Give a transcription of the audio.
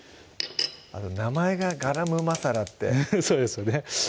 名前がガラムマサラってそうですよね